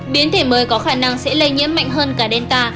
biến thể mới có khả năng sẽ lây nhiễm mạnh hơn cả delta